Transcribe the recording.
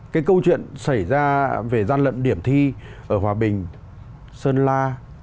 cái câu chuyện xảy ra về gian lận điểm thi ở hòa bình sơn la